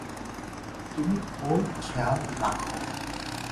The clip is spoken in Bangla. তুমি ওর খেয়াল রাখো।